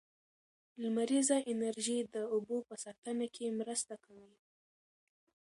لمریزه انرژي د اوبو په ساتنه کې مرسته کوي.